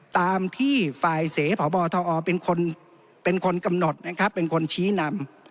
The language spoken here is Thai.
ตามที่ฝ่ายเสพบทอเป็นคนเป็นคนกำหนดนะครับเป็นคนชี้นำ